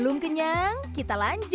untung kelipuhan untuk ada otot yang muncul